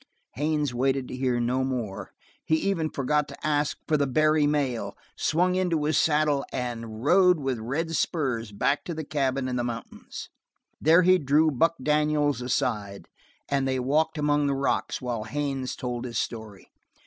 Haines waited to hear no more. He even forgot to ask for the Barry mail, swung into his saddle, and rode with red spurs back to the cabin in the mountains. There he drew Buck Daniels aside, and they walked among the rocks while Haines told his story.